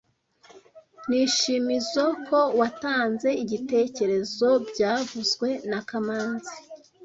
Nishimizoe ko watanze igitekerezo byavuzwe na kamanzi